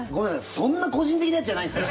そんな個人的なやつじゃないんですよ。